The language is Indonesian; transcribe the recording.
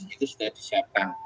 itu sudah disiapkan